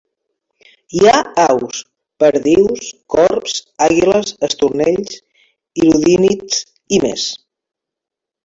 Hi ha aus: perdius, corbs, àguiles, estornells, hirundínids i més.